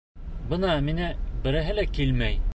Бына миңә береһе лә килмәй.